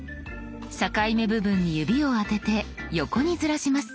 境目部分に指を当てて横にずらします。